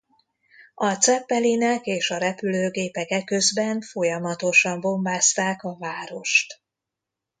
A Zeppelinek és a repülőgépek eközben folyamatosan bombázták a várost.